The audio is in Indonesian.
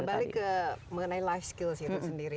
balik ke mengenai life skills itu sendiri